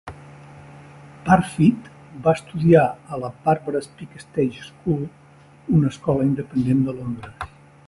Parfitt va estudiar a la Barbara Speake Stage School, una escola independent de Londres.